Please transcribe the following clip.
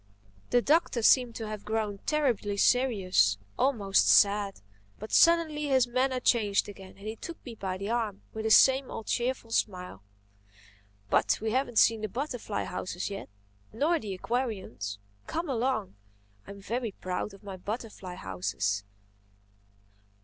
The Doctor seemed to have grown terribly serious—almost sad. But suddenly his manner changed again and he took me by the arm with his same old cheerful smile. "But we haven't seen the butterfly houses yet—nor the aquariums. Come along. I am very proud of my butterfly houses."